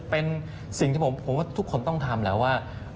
เป็นสิ่งที่ผมว่าทุกคนต้องทำแล้วว่า